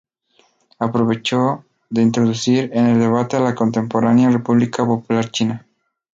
Aprovecho de introducir en el debate a la contemporánea República Popular China.